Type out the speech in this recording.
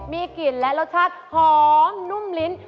มีกลิ่นและรสชาติหอมนุ่มลิ้น